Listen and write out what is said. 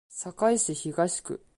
堺市東区